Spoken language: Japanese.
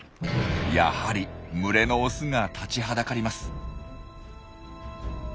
やはり群れのオスが立ちはだかります。